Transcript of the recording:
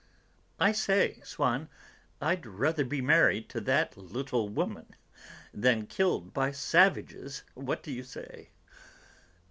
"I say, Swann, I'd rather be married to that little woman than killed by savages, what do you say?"